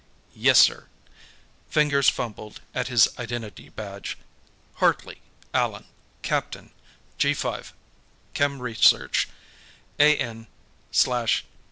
"Yes, sir." Fingers fumbled at his identity badge. "Hartley, Allan; Captain, G5, Chem. Research AN/73/D.